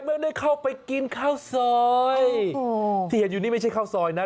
ไม่ได้เข้าไปกินข้าวซอยที่เห็นอยู่นี่ไม่ใช่ข้าวซอยนะ